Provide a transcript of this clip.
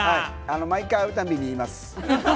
毎回会うたんびに言います。